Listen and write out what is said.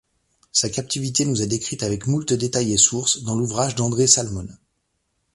Sa captivité nous est décrite avec moult détails et sources dans l'ouvrage d'André Salmon.